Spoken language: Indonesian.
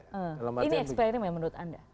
ini eksperimen menurut anda